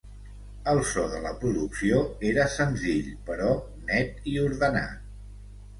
El so de la producció era senzill però net i ordenat.